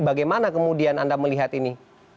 bagaimana kemudian anda melihat ini